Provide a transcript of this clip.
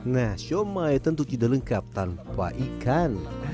nah shumai tentu tidak lengkap tanpa ikan